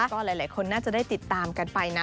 ก็หลายคนน่าจะได้ติดตามกันไปนะ